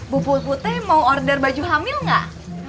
bu put putih mau order baju hamil nggak